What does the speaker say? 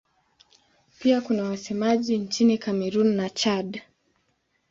Pia kuna wasemaji nchini Kamerun na Chad.